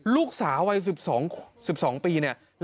ลูกสาววัยสิบสี่สองปีเนี่ย